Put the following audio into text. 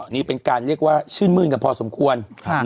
นี่เป็นการเรียกว่าชื่นมื้นกันพอสมควร